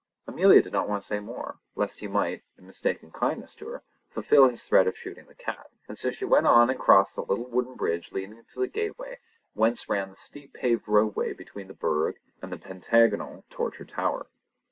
Amelia did not like to say more, lest he might, in mistaken kindness to her, fulfil his threat of shooting the cat: and so we went on and crossed the little wooden bridge leading to the gateway whence ran the steep paved roadway between the Burg and the pentagonal Torture Tower.